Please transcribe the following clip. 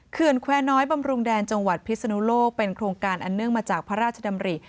แควร์น้อยบำรุงแดนจังหวัดพิศนุโลกเป็นโครงการอันเนื่องมาจากพระราชดำริ